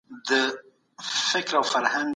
د بدن روغتیا لپاره توازن ساتئ.